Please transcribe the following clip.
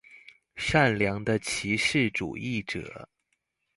善良的歧視主義者